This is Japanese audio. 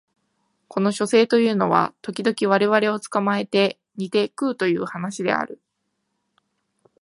この書生というのは時々我々を捕えて煮て食うという話である